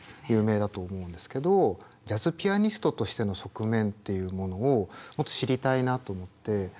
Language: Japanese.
有名だと思うんですけどジャズピアニストとしての側面っていうものをもっと知りたいなと思って。